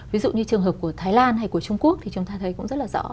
ví dụ như trường hợp của thái lan hay của trung quốc thì chúng ta thấy cũng rất là rõ